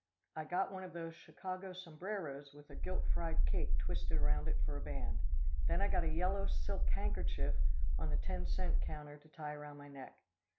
I got one of those Chicago sombreros with a gilt fried cake twisted around it for a band. Then I got a yellow silk handkerchief on the ten cent counter to tie around my neck.